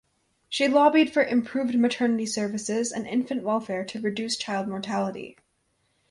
She lobbied for improved maternity services and infant welfare to reduce child mortality.